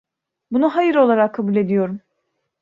Bunu hayır olarak kabul ediyorum.